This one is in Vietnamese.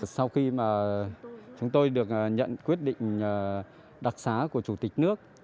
sau khi mà chúng tôi được nhận quyết định đặc xá của chủ tịch nước